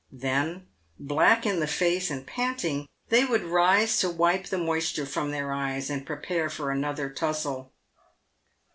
Then, black in the face, and panting, they would rise to wipe the moisture from their eyes, and prepare for another tussle.